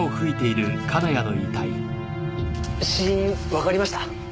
死因わかりました？